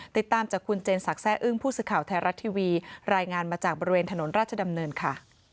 ติดตามจากคุณเจนสักแร่อึ้งผู้สื่อข่าวไทยรัฐทีวีรายงานมาจากบริเวณถนนราชดำเนินค่ะ